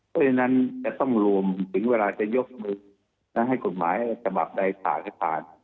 เพราะฉะนั้นจะต้องรวมถึงเวลาจะยกมือและให้กฎหมายฉบับใดผ่านให้ผ่าน